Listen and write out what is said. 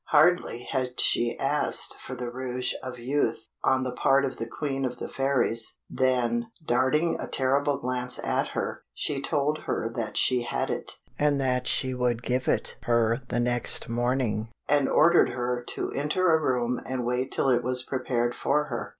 Hardly had she asked for the Rouge of Youth, on the part of the Queen of the Fairies, than, darting a terrible glance at her, she told her that she had it, and that she would give it her the next morning, and ordered her to enter a room and wait till it was prepared for her.